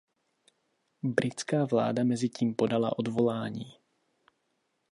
Britská vláda mezitím podala odvolání.